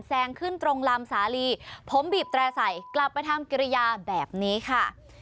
แซงขึ้นตรงลำสาลีผมบีบแตร่ใส่กลับไปทำกิริยาแบบนี้ค่ะ